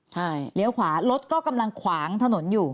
ใช่เลี้ยวขวารถก็กำลังขวางถนนอยู่